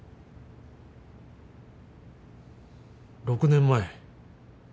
６年前。